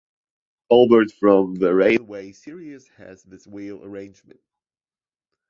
"Albert" from The Railway Series has this wheel arrangement.